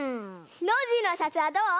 ノージーのおさつはどう？